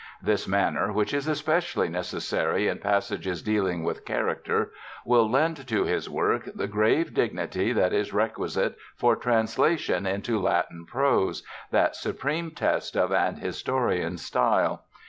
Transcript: This manner, which is especially necessary in passages dealing with character, will lend to his work the grave dignity that is requisite for translation into Latin prose, that supreme test of an historian's style.